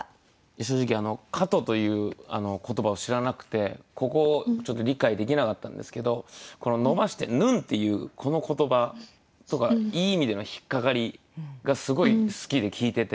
正直「蝌蚪」という言葉を知らなくてここをちょっと理解できなかったんですけどこの「伸ばしてぬん」っていうこの言葉とかいい意味での引っ掛かりがすごい好きで聞いてて。